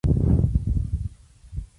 Círculo formado con sello circular.